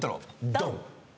ドン！